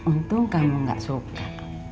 untung kamu gak suka